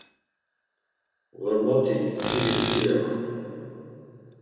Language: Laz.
Ğormot̆ik iri mdzireman.